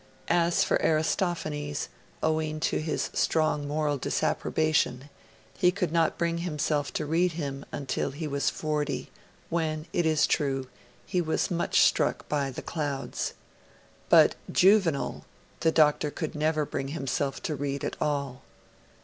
As for Aristophanes, owing to his strong moral disapprobation, he could not bring himself to read him until he was forty, when, it is true, he was much struck by the 'Clouds'. But Juvenal, the Doctor could never bring himself to read at all.